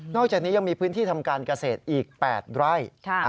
อกจากนี้ยังมีพื้นที่ทำการเกษตรอีก๘ไร่